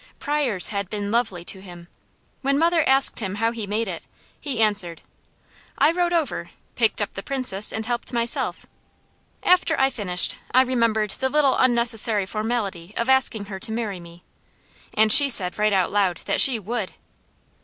Pryors had been lovely to him. When mother asked him how he made it, he answered: "I rode over, picked up the Princess and helped myself. After I finished, I remembered the little unnecessary formality of asking her to marry me; and she said right out loud that she WOULD.